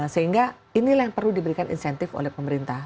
sehingga inilah yang perlu diberikan insentif oleh pemerintah